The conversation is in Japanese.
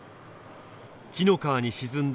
紀の川に沈んだ